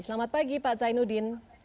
selamat pagi pak zainuddin